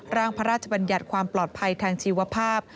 ร่างพระราชบัญญัติความปลอดภัยทางชีวภาพ